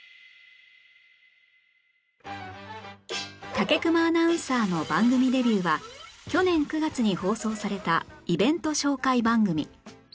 武隈アナウンサーの番組デビューは去年９月に放送されたイベント紹介番組